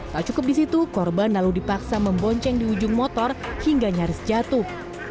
tak cukup di situ korban lalu dipaksa membonceng di ujung motor hingga nyaris jatuh